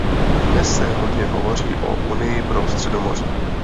Dnes se hodně hovoří o Unii pro Středomoří.